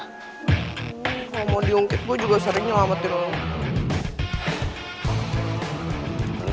kalau mau diungkit gue juga sering nyelametin lo